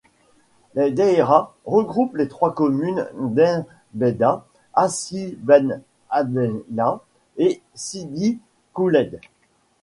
La daïra regroupe les trois communes d'Aïn Beida, Hassi Ben Abdellah et Sidi Khouiled.